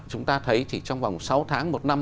chúng ta thấy chỉ trong vòng sáu tháng một năm